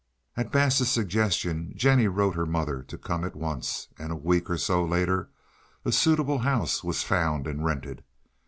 At Bass's suggestion Jennie wrote her mother to come at once, and a week or so later a suitable house was found and rented.